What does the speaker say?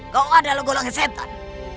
kau adalah golongan setan